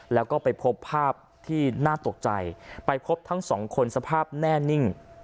แล้วก็ไปพบภาพที่น่าตกใจไปพบทั้งสองคนสภาพแน่นิ่ง